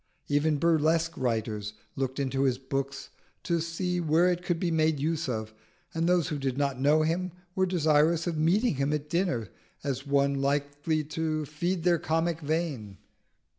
Even burlesque writers looked into his book to see where it could be made use of, and those who did not know him were desirous of meeting him at dinner as one likely to feed their comic vein.